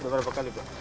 berapa kali pak